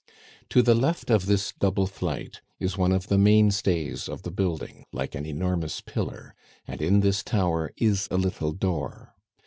To the left of this double flight is one of the mainstays of the building, like an enormous pillar, and in this tower is a little door.